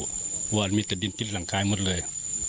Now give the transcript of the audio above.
เพราะมีแต่ดินกินที่หลังกายหมดเลย